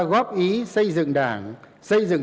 góp ý xây dựng đảng xây dựng